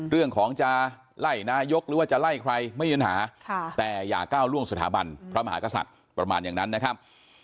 เรื่องของจะไล่นายกหรือว่าจะไล่ใครไม่มีปัญหาแต่อย่าก้าวล่วงสถาบันพระมหากษัตริย์ประมาณอย่างนั้นนะครับ